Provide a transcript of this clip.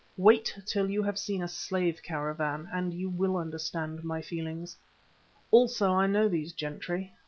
Wait till you have seen a slave caravan and you will understand my feelings. Also I know these gentry.